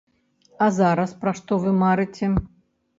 А зараз пра што вы марыце?